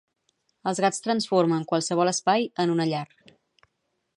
Els gats transformen qualsevol espai en una llar.